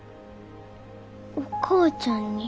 お母ちゃんに。